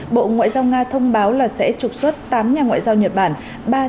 bộ ngoại giao nga thông báo là sẽ trục xuất tám nhà ngoại giao nhật bản